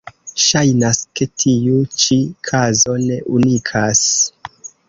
Ŝajnas, ke tiu ĉi kazo ne unikas.